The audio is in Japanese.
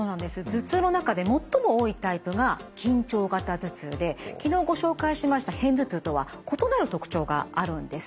頭痛の中で最も多いタイプが緊張型頭痛で昨日ご紹介しました片頭痛とは異なる特徴があるんですね。